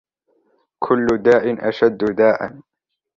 كُلُّ دَاءٍ أَشَدُّ دَاءً